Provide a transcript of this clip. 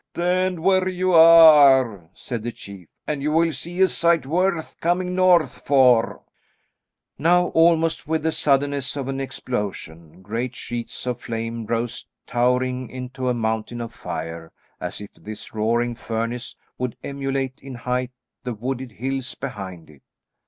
"Stand where you are," said the chief, "and you will see a sight worth coming north for." Now almost with the suddenness of an explosion, great sheets of flame rose towering into a mountain of fire, as if this roaring furnace would emulate in height the wooded hills behind it.